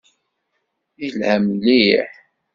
Yelha mliḥ.